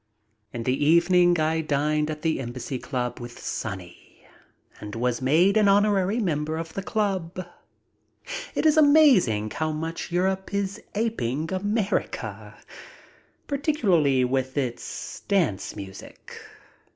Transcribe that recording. In the evening I dined at the Embassy Club with Sonny, and was made an honorary member of the club. It is amazing how much Europe is aping America, par ticularly with its dance music.